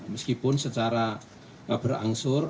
meskipun secara berangsur